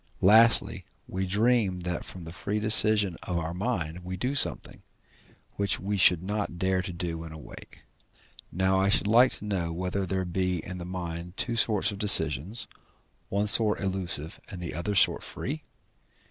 Lastly, we dream that from the free decision of our mind we do something, which we should not dare to do when awake. Now I should like to know whether there be in the mind two sorts of decisions, one sort illusive, and the other sort free?